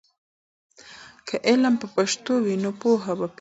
که علم په پښتو وي، نو پوهه به پیاوړې سي.